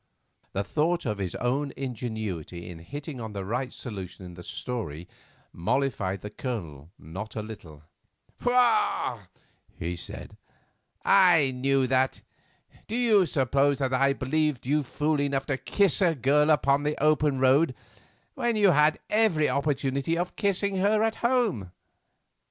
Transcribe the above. The thought of his own ingenuity in hitting on the right solution of the story mollified the Colonel not a little. "Pshaw," he said, "I knew that. Do you suppose that I believed you fool enough to kiss a girl on the open road when you had every opportunity of kissing her at home?